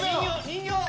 人形！